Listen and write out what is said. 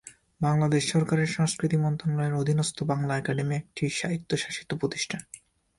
বাংলাদেশ সরকারের সংস্কৃতি মন্ত্রণালয়ের অধীনস্থ বাংলা একাডেমি একটি স্বায়ত্তশাসিত প্রতিষ্ঠান।